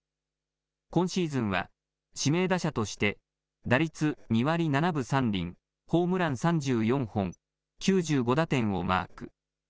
今シーズンは指名打者として打率２割７分３厘、ホームラン３４本、９５打点をマーク。